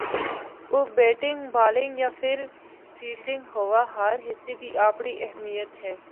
او batting, bowling یا پھر فیلڈنگ ہوا ہر حصہ دی اپنڑی اہمیت اے۔